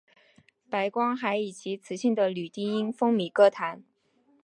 白光还以其磁性的女低音风靡歌坛。